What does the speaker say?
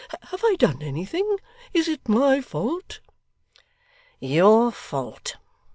Have I done anything? Is it my fault?' 'Your fault!